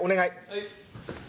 はい。